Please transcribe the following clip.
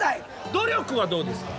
努力はどうですか？